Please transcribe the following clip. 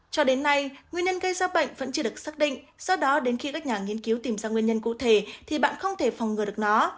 cho đến nay nguyên nhân gây ra bệnh vẫn chưa được xác định do đó đến khi các nhà nghiên cứu tìm ra nguyên nhân cụ thể thì bạn không thể phòng ngừa được nó